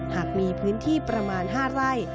หากมีพื้นที่ประมาณ๕ไร่